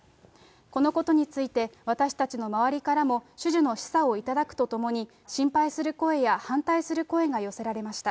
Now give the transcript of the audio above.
このことについて、私たちの周りからも種々の示唆をいただくとともに、心配する声や反対する声が寄せられました。